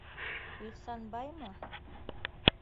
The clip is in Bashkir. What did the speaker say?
Ихсанбаймы?